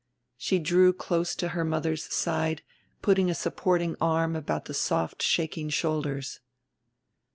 She drew close to her mother's side, putting a supporting arm about the soft shaking shoulders.